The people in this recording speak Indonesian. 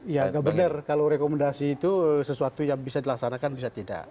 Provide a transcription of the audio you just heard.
ya nggak benar kalau rekomendasi itu sesuatu yang bisa dilaksanakan bisa tidak